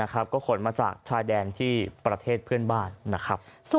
ก็ขนมาจากชายแดนที่ประเทศเพื่อนบ้านนะครับ